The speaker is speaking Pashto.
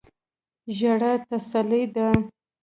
ژړا تسلی ده.